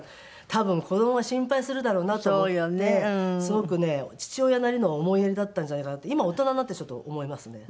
多分子どもが心配するだろうなと思ってすごくね父親なりの思いやりだったんじゃないかなって今大人になってちょっと思いますね。